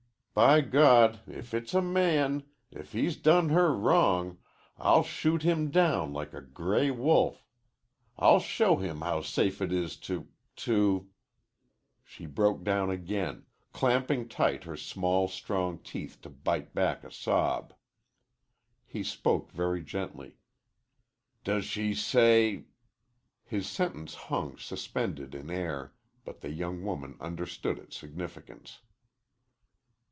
"By God, if it's a man if he's done her wrong I'll shoot him down like a gray wolf. I'll show him how safe it is to to " She broke down again, clamping tight her small strong teeth to bite back a sob. He spoke very gently. "Does she say ?" His sentence hung suspended in air, but the young woman understood its significance.